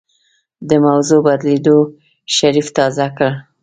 د موضوع بدلېدو شريف تازه کړ.